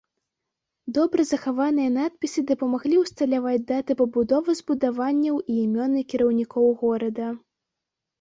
Добра захаваныя надпісы дапамаглі ўсталяваць даты пабудовы збудаванняў і імёны кіраўнікоў горада.